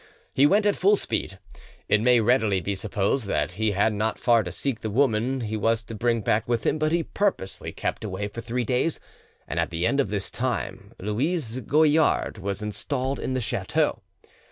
He went at full speed. It may readily be supposed that he had not far to seek the woman he was to bring back with him; but he purposely kept away for three days, and at the end of this time Louise Goillard was installed in the chateau.